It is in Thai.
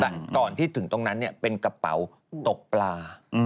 แต่ก่อนที่ถึงตรงนั้นเป็นกระเป๋าตกปลา